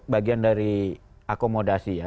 bagian dari akomodasi ya